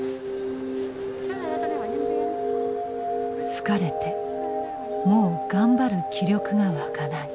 「疲れてもう頑張る気力が湧かない」。